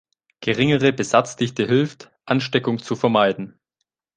Geringere Besatzdichte hilft, Ansteckung zu vermeiden.